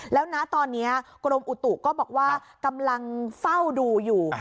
แล้วนะตอนนี้กรมอุตุก็บอกว่ากำลังเฝ้าดูอยู่